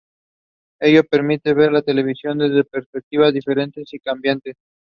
Its seat is in Chartres.